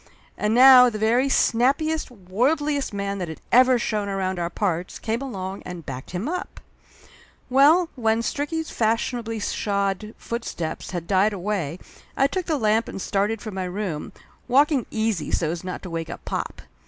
And now the very snappiest, worldliest man that had ever shown around our parts came along and backed him up ! Well, when Stricky's fashionably shod footsteps had died away I took the lamp and started for my room, walking easy so's not to wake up pop.